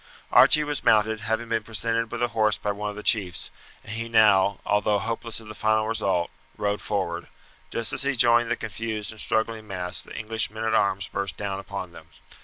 Archie was mounted, having been presented with a horse by one of the chiefs, and he now, although hopeless of the final result, rode forward. Just as he joined the confused and struggling mass the English men at arms burst down upon them.